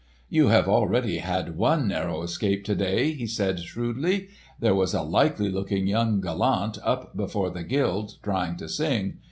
"You have already had one narrow escape to day," he said shrewdly. "There was a likely looking young gallant up before the guild trying to sing.